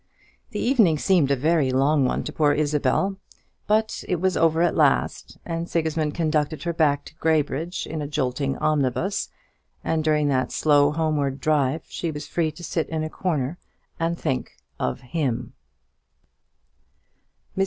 The evening seemed a very long one to poor Isabel; but it was over at last, and Sigismund conducted her back to Graybridge in a jolting omnibus; and during that slow homeward drive she was free to sit in a corner and think of him. Mr.